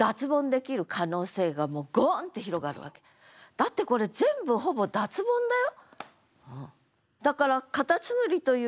だってこれ全部ほぼ脱ボンだよ？